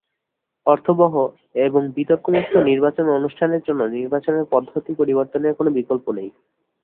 অর্থবহ এবং বিতর্কমুক্ত নির্বাচন অনুষ্ঠানের জন্য নির্বাচনের পদ্ধতি পরিবর্তনের কোনো বিকল্প নেই।